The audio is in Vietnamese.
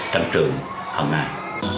trong trường hôm nay